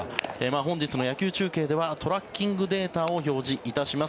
本日の野球中継ではトラッキングデータを表示いたします。